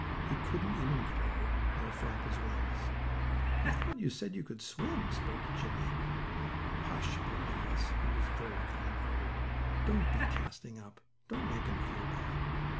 He couldn't even crow, nor flap his wings. "I thought you said you could swim," spoke Jimmie. "Hush!" begged Alice, who was very kind hearted. "Don't be casting up! Don't make him feel bad."